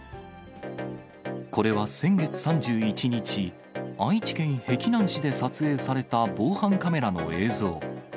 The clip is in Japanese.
これは先月３１日、愛知県碧南市で撮影された防犯カメラの映像。